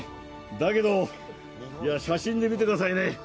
だけど、いや、写真で見てくださいね。